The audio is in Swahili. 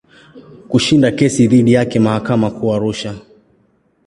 Kushinda kesi dhidi yake mahakama Kuu Arusha.